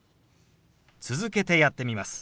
続けてやってみます。